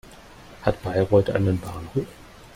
Hat Bayreuth einen Bahnhof?